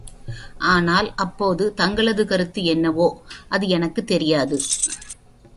ஆனால், அப்போது தங்களது கருத்து என்னவோ, அது எனக்குத் தெரியாது.